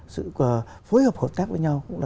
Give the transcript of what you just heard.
sự phối hợp hợp tác với nhau